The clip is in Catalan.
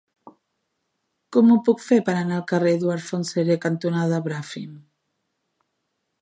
Com ho puc fer per anar al carrer Eduard Fontserè cantonada Bràfim?